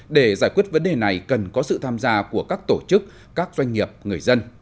để giải quyết vấn đề này cần có sự tham gia của các tổ chức các doanh nghiệp người dân